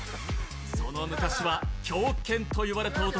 その昔は狂犬と言われた男。